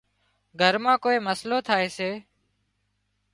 گھر مان ڪوئي مسئلو ٿائي سي